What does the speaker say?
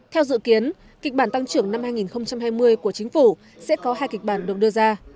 theo dự kiến kịch bản tăng trưởng năm hai nghìn hai mươi của chính phủ sẽ có hai kịch bản được đưa ra